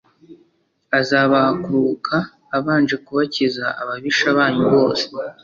azabaha kuruhuka abanje kubakiza ababisha banyu bose